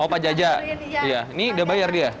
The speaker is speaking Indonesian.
oh pak jajak ini udah bayar dia